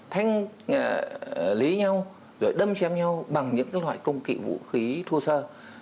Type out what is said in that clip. thành lý nhau rồi đâm chém nhau bằng những loại công kỵ vũ khí thua sơ